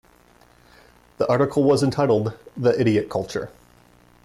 The article was entitled "The Idiot Culture".